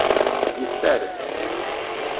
Yeffer.